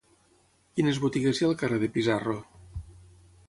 Quines botigues hi ha al carrer de Pizarro?